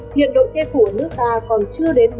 hiện độ che phủ nước ta còn chưa đến bốn mươi